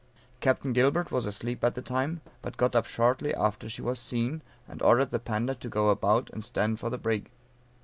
Capt. Gilbert was asleep at the time, but got up shortly after she was seen, and ordered the Panda to go about and stand for the brig.